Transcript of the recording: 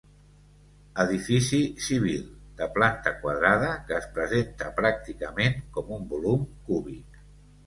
Edifici civil, de planta quadrada que es presenta pràcticament com un volum cúbic.